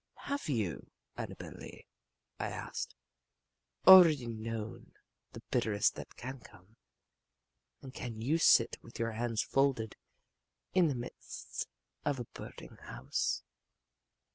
"Have you, Annabel Lee," I asked, "already known the bitterest that can come and can you sit with your hands folded in the midst of a burning house?"